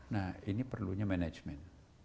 nah ini perlunya manajemen